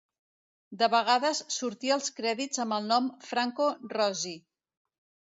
De vegades sortia als crèdits amb el nom Franco Rosi.